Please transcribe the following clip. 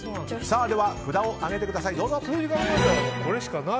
では、札を上げてください。